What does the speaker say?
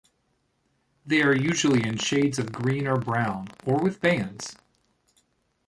They are usually in shades of green or brown or with bands.